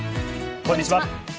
こんにちは。